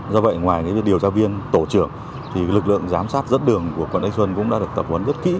do vậy ngoài điều tra viên tổ trưởng thì lực lượng giám sát dẫn đường của quận thanh xuân cũng đã được tập huấn rất kỹ